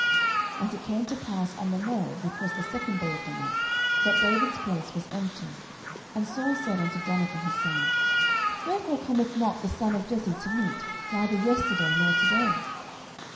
09:020:027 And it came to pass on the morrow, which was the second day of the month, that David's place was empty: and Saul said unto Jonathan his son, Wherefore cometh not the son of Jesse to meat, neither yesterday, nor to day?